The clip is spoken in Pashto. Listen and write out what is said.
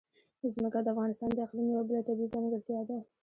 ځمکه د افغانستان د اقلیم یوه بله طبیعي ځانګړتیا ده.